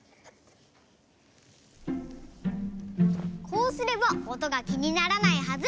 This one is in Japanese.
こうすればおとがきにならないはず！